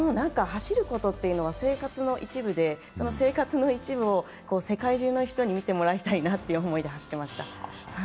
走ることというのは生活の一部で生活の一部を世界中の人に見てもらいたいなという思いで走ってました。